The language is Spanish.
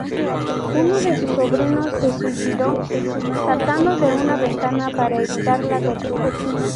Uno de sus sobrinos se suicidó saltando de una ventana para evitar la tortura.